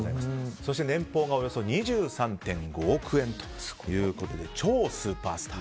そして年俸がおよそ２３．５億円超スーパースター。